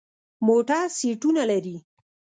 موټر سیټونه لري.